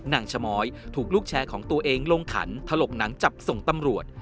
ชะม้อยถูกลูกแชร์ของตัวเองลงขันถลกหนังจับส่งตำรวจ